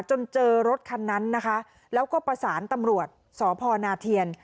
จนเจอรถคันนั้นนะคะแล้วก็ประสานตำรวจสพนาเทียน